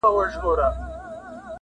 o د زمانې دتوپانو په وړاندي وم لکه غر ,